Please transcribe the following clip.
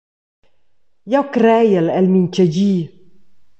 Jeu creiel el mintgadi.